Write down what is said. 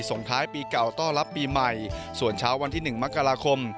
ส่งท้ายปีเก่าต้อนรับปีใหม่ส่วนเช้าวันที่๑มกราคม